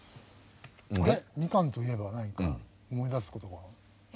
あれっみかんといえば何か思い出すことは。